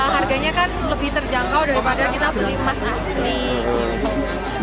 harganya kan lebih terjangkau daripada kita beli emas asli gitu